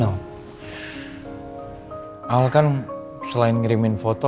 al kan selain ngirimin foto